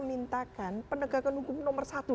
minta kan pendekatan hukum nomor satu